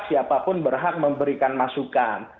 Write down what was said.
siapapun berhak memberikan masukan